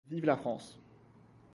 Vive la France!